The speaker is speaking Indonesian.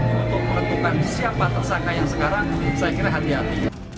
untuk menentukan siapa tersangka yang sekarang saya kira hati hati